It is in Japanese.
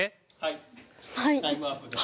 「はい」。